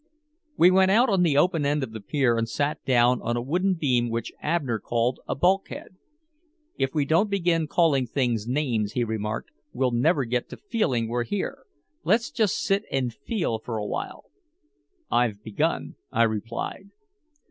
We went out on the open end of the pier and sat down on a wooden beam which Abner called a bulkhead. "If we don't begin calling things names," he remarked, "we'll never get to feeling we're here. Let's just sit and feel for a while." "I've begun," I replied.